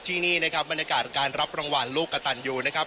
ที่นี่นะครับบรรยากาศการรับรางวัลลูกกระตันยูนะครับ